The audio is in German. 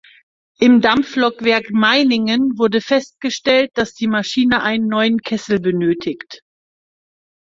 Im Dampflokwerk Meiningen wurde festgestellt, dass die Maschine einen neuen Kessel benötigt.